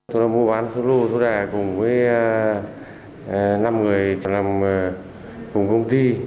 tôi đã mua bán phô lô số đề cùng với năm người làm cùng công ty